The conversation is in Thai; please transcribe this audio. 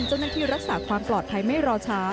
เจ้าหน้าที่รักษาความปลอดภัยไม่รอช้า